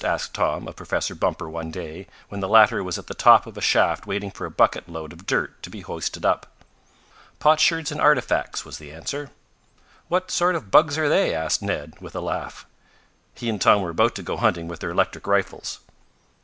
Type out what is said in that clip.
asked Tom of Professor Bumper one day, when the latter was at the top of a shaft waiting for a bucket load of dirt to be hoisted up. "Potsherds and artifacts," was the answer. "What sort of bugs are they?" asked Ned with a laugh. He and Tom were about to go hunting with their electric rifles.